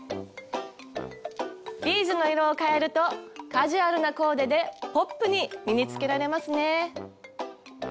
ビーズの色を変えるとカジュアルなコーデでポップに身につけられますね。